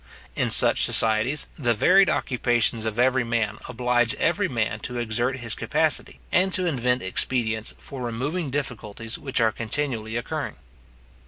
In such societies, the varied occupations of every man oblige every man to exert his capacity, and to invent expedients for removing difficulties which are continually occurring.